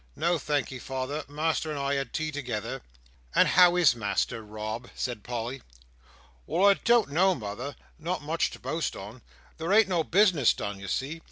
"No, thank'ee, father. Master and I had tea together." "And how is master, Rob?" said Polly. "Well, I don't know, mother; not much to boast on. There ain't no bis'ness done, you see.